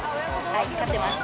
はい、買ってます。